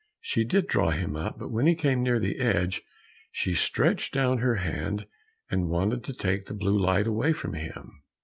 She did draw him up, but when he came near the edge, she stretched down her hand and wanted to take the blue light away from him.